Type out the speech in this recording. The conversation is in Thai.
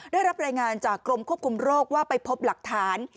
ได้รับรายงานจากกรมควบคุมโรคว่าไปพบหลักฐาน